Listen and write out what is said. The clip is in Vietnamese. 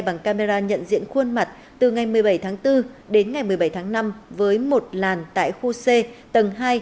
bằng camera nhận diện khuôn mặt từ ngày một mươi bảy tháng bốn đến ngày một mươi bảy tháng năm với một làn tại khu c tầng hai